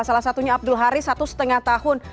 salah satunya abdul haris satu lima tahun